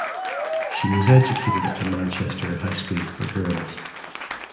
She was educated at the Manchester High School for Girls.